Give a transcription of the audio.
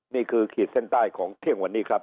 ขีดเส้นใต้ของเที่ยงวันนี้ครับ